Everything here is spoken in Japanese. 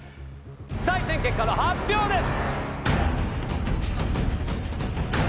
採点結果の発表です！